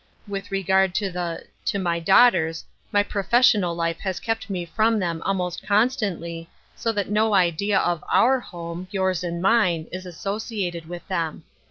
With re gard to the — to my daughters, my professional life has kept me from them almost constantly, so that no idea of our home — yours and mine — is associated with them.